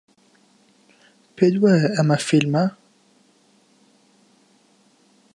پێت وایە ئەمە فیلمە؟